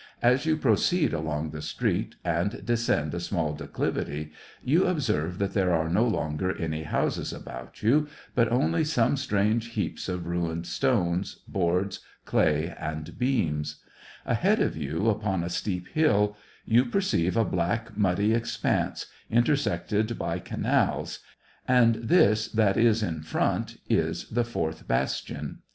As you proceed along the street, and descend a small declivity, you observe that there are no longer any houses about you, but only some strange heaps of ruined stones, boards, clay, and beams ; ahead of you, upon a steep hill, you perceive a black, muddy expanse, intersected by canals, and this that is in front is the fourth bastion.